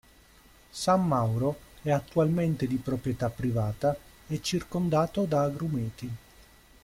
San Mauro è attualmente di proprietà privata e circondato da agrumeti.